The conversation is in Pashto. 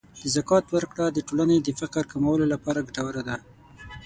د زکات ورکړه د ټولنې د فقر کمولو لپاره ګټوره ده.